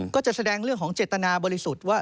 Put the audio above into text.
ก็จะแสดงเรื่องของเจตนาบริสุทธิ์ว่า